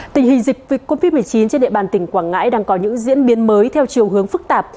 tình hình dịch covid một mươi chín trên địa bàn tỉnh quảng ngãi đang có những diễn biến mới theo chiều hướng phức tạp